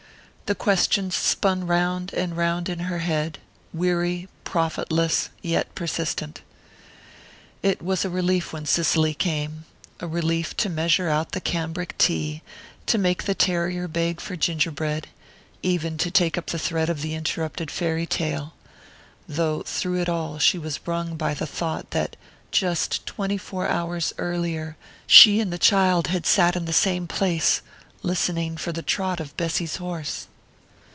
The questions spun round and round in her head, weary, profitless, yet persistent.... It was a relief when Cicely came a relief to measure out the cambric tea, to make the terrier beg for ginger bread, even to take up the thread of the interrupted fairy tale though through it all she was wrung by the thought that, just twenty four hours earlier, she and the child had sat in the same place, listening for the trot of Bessy's horse....